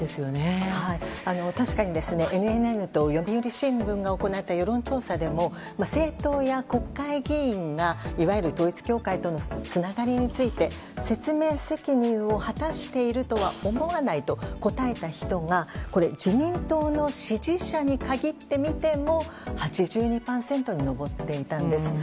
確かにＮＮＮと読売新聞が行った調査でも政党や国会議員がいわゆる統一教会とのつながりについて説明責任を果たしているとは思わないと答えた人が自民党の支持者に限って見ても８２％に上っていたんです。